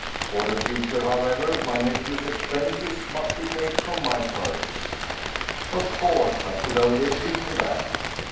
For the future, however, my nephew's expenses must be paid from my purse.' Of course I could only agree to that.